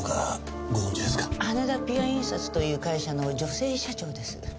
羽田ピュア印刷という会社の女性社長です。